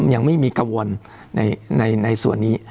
ยังไม่มีกังวลในส่วนนี้